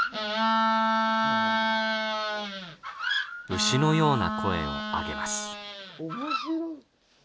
牛のような声をあげます。